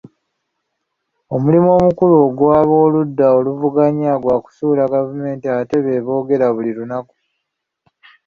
Omulimu omukulu ogw'abooludda oluvuganya gwa kusuula gavumenti ate be boogera buli lunaku.